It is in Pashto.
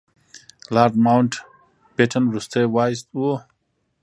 لارډ ماونټ بیټن وروستی وایسराय و.